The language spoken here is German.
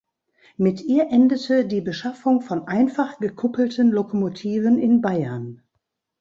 Mit ihr endete die Beschaffung von einfach gekuppelten Lokomotiven in Bayern.